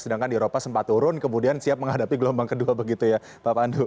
sedangkan di eropa sempat turun kemudian siap menghadapi gelombang kedua begitu ya pak pandu